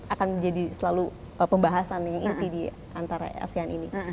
akan jadi selalu pembahasan yang inti di antara asean ini